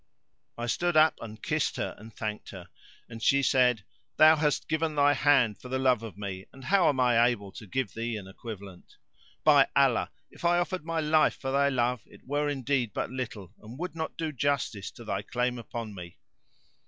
I stood up and kissed her and thanked her; and she said, "Thou hast given thy hand for love of me and how am I able to give thee an equivalent? By Allah, if I offered my life for thy love, it were indeed but little and would not do justice to thy claim upon me."